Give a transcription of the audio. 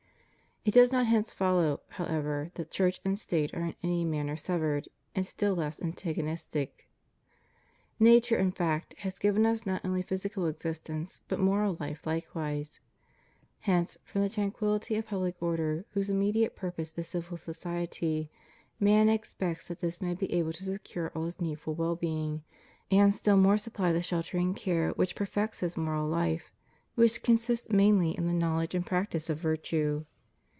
It does not hence follow, however, that Church and State are in any manner severed, and still less antagonistic. Nature, in fact, has given us not only physical existence, but moral life likewise. Hence, from the tranquillity of public order, whose immediate purpose is civil society, man expects that this may be able to secure all his needful well being, and still more supply the sheltering care which perfects his moral life, which consists mainly in the knowledge and practice of virtue.